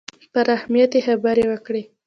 پر اهمیت یې خبرې وکړې.